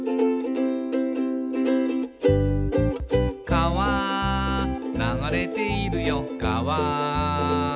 「かわ流れているよかわ」